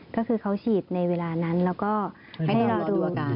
ก็คือเขาฉีดในเวลานั้นแล้วก็ให้เราดูอาการ